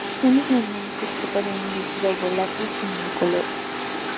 En condiciones normales se trata de un líquido volátil e incoloro.